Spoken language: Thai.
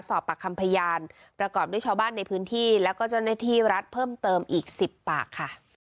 สอบปากคำพยานประกอบด้วยชาวบ้านในพื้นที่แล้วก็เจ้าหน้าที่รัฐเพิ่มเติมอีก๑๐ปากค่ะ